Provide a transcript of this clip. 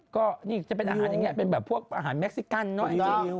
ก็นี่จะเป็นอาหารอย่างนี้เป็นแบบพวกอาหารเม็กซิกันเนอะไอจี